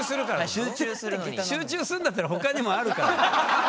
集中するんだったら他にもあるから！